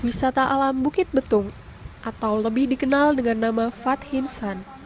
wisata alam bukit betung atau lebih dikenal dengan nama fat hinsan